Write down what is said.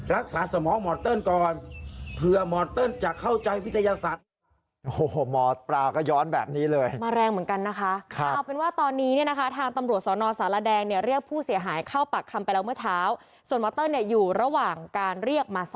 สมองหมอเติ้ลก่อนเผื่อหมอเติ้ลจะเข้าใจวิทยาศาสตร์